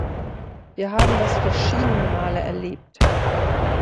Wir haben das verschiedene Male erlebt.